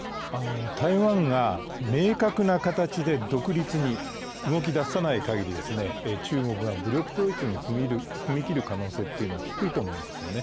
台湾が明確な形で独立に動き出さないかぎり、中国が武力統一に踏み切る可能性というのは低いと思うんですよね。